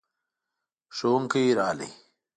ښوونکی راغی.